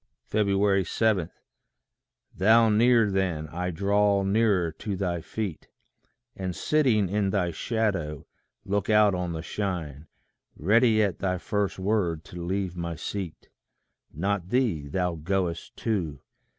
7. Thou near then, I draw nearer to thy feet, And sitting in thy shadow, look out on the shine; Ready at thy first word to leave my seat Not thee: thou goest too.